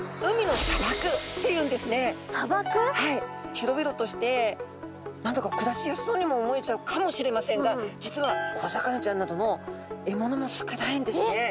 広々として何だか暮らしやすそうにも思えちゃうかもしれませんが実は小魚ちゃんなどの獲物も少ないんですね。